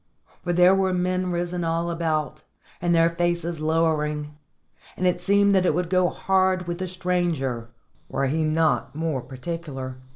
For there were men risen all about, and their faces lowering, and it seemed that it would go hard with the stranger were he not more particular.